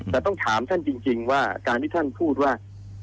แต่ต้องถามท่านจริงว่าการที่ท่านพูดว่า